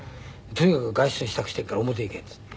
「とにかく外出の支度しているから表行け」っていって。